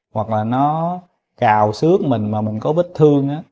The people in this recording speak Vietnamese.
hoặc là nó cào sước mình mà mình có vết thương á